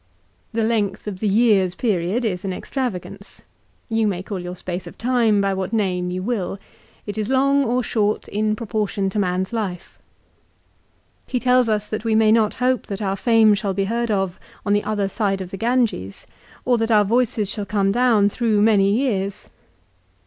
The length of the year's period is an extravagance. You may call your space of time by what name' you will. It is long or short in proportion to man's life. He tells us that we may not hope that our fame shall be heard of on the other side of the Ganges, or that our voices shall come down through many years.